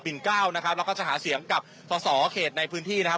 ปินเก้านะครับแล้วก็จะหาเสียงกับศศรเขตในพื้นที่นะครับ